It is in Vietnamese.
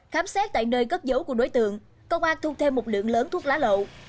khám xét tại nơi cất dấu của đối tượng công an thu thêm một lượng lớn thuốc lá lậu